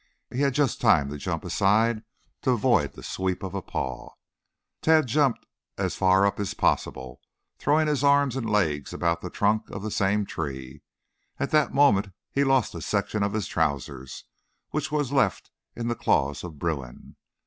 He had just time to jump aside to avoid the sweep of a paw. Tad jumped as far up as possible, throwing arms and legs about the trunk of the same tree. At that moment he lost a section of his trousers, which was left in the claws of Bruin.